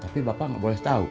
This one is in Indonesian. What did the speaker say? tapi bapak gak boleh tau